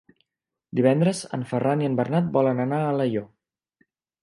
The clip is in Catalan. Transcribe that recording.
Divendres en Ferran i en Bernat volen anar a Alaior.